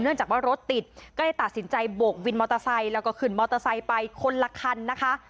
จากว่ารถติดก็เลยตัดสินใจโบกวินมอเตอร์ไซค์แล้วก็ขึ้นมอเตอร์ไซค์ไปคนละคันนะคะ